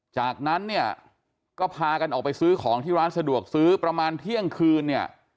จากนั้นเนี่ยก็พากันออกไปซื้อของที่ร้านสะดวกซื้อประมาณเที่ยงคืนเนี่ย